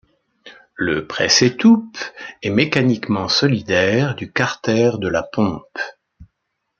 Le presse-étoupe est mécaniquement solidaire du carter de la pompe.